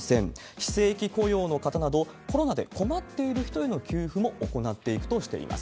非正規雇用の方など、コロナで困っている人への給付も行っていくとしています。